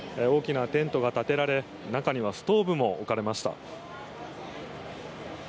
大きなテントが建てられ中にはストーブも置かれました。